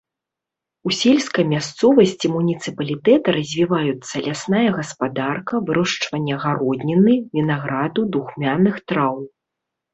У сельскай мясцовасці муніцыпалітэта развіваюцца лясная гаспадарка, вырошчванне гародніны, вінаграду, духмяных траў.